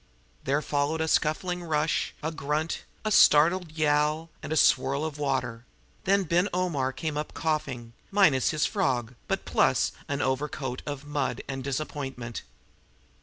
There followed a scuffling rush, a grunt, a startled yowl, and a swirl of water; then Omar Ben came up coughing, minus his frog, but plus an overcoat of mud and disappointment.